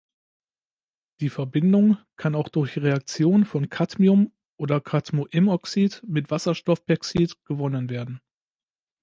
Die Verbindung kann auch durch Reaktion von Cadmium oder Cadmoimoxid mit Wasserstoffperxid gewonnen werden.